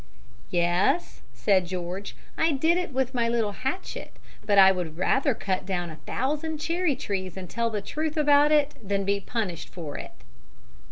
"Yes," said George, "I did it with my little hatchet; but I would rather cut down a thousand cherry trees and tell the truth about it than be punished for it."